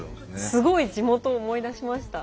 すごい地元を思い出しました。